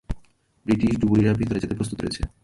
British ডুবুরিরা ভেতরে যেতে প্রস্তুত রয়েছে।